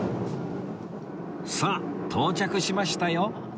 さあ到着しましたよ